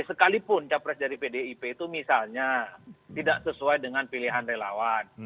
sekalipun capres dari pdip itu misalnya tidak sesuai dengan pilihan relawan